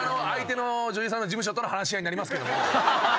相手の女優さんの事務所との話し合いになりますが。